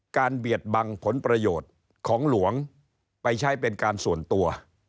เบียดบังผลประโยชน์ของหลวงไปใช้เป็นการส่วนตัว